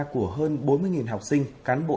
của hơn bốn mươi học sinh cán bộ